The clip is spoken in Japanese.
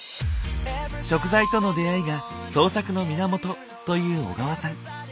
食材との出会いが創作の源という小川さん。